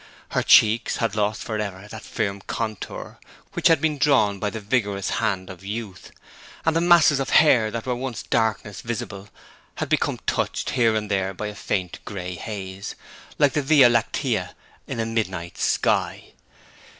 Her cheeks had lost for ever that firm contour which had been drawn by the vigorous hand of youth, and the masses of hair that were once darkness visible had become touched here and there by a faint grey haze, like the Via Lactea in a midnight sky.